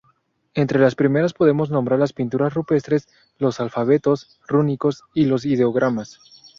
Entre las primeras podemos nombrar las pinturas rupestres, los alfabetos rúnicos y los ideogramas.